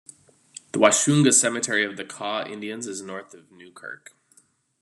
The Washunga cemetery of the Kaw Indians is north of Newkirk.